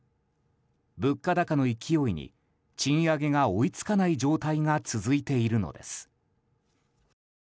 物価高の勢いに賃上げが追い付かない状態が続いているのです。